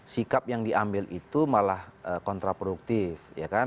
sikap yang diambil itu malah kontraproduktif